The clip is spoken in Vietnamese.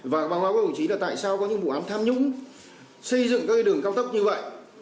và báo cáo của hội chí là tại sao có những vụ ám tham nhũng xây dựng các đường cao tốc như vậy